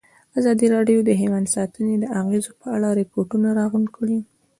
ازادي راډیو د حیوان ساتنه د اغېزو په اړه ریپوټونه راغونډ کړي.